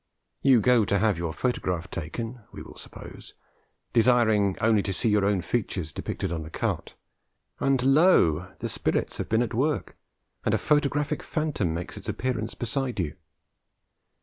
You go to have your photograph taken, we will suppose, desiring only to see your own features depicted in the carte; and lo! the spirits have been at work, and a photographic phantom makes its appearance beside you.